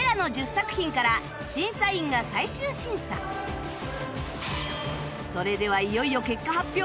これらのそれではいよいよ結果発表